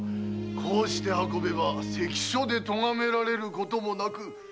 こうして運べば関所でとがめられる事もなく江戸へ。